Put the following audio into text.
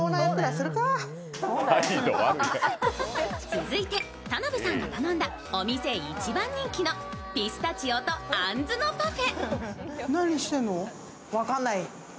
続いて、田辺さんが頼んだお店一番人気のピスタチオとあんずのパフェ。